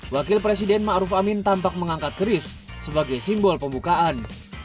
wakil presiden ma'ruf amin tampak mengangkat keris sebagai simbol pembukaan